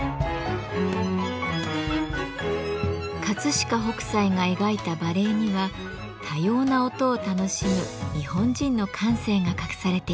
飾北斎が描いた馬鈴には多様な音を楽しむ日本人の感性が隠されています。